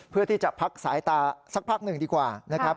เพื่อที่จะพักสายตาสักพักหนึ่งดีกว่านะครับ